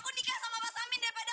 oh tambah subur ya